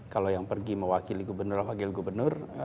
kalau yang pergi mewakili gubernur wakil gubernur